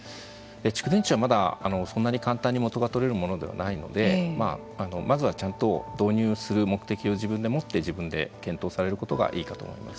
蓄電池はまだそんなに簡単に元が取れるものではないのでまずはちゃんと導入する目的を自分で持って自分で検討されることがいいかと思います。